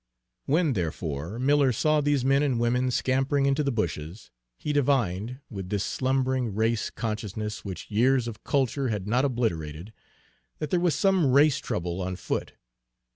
When, therefore, Miller saw these men and women scampering into the bushes, he divined, with this slumbering race consciousness which years of culture had not obliterated, that there was some race trouble on foot.